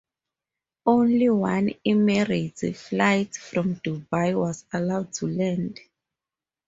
Only one Emirates flight from Dubai was allowed to land.